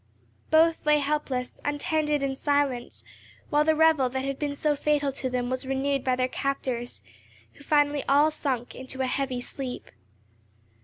Both lay helpless, untended, and silent, while the revel that had been so fatal to them was renewed by their captors, who finally all sunk into a heavy sleep.